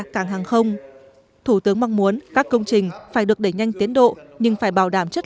cảng hàng không thủ tướng mong muốn các công trình phải được đẩy nhanh tiến độ nhưng phải bảo đảm chất